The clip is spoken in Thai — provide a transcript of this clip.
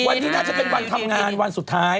วันนี้น่าจะเป็นวันทำงานวันสุดท้าย